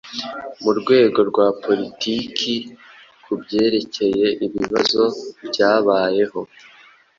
Mu rwego rwa politiki, ku byerekeye ibibazo byabayeho